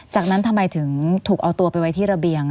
จากนั้นทำไมถึงถูกเอาตัวไปไว้ที่ระเบียง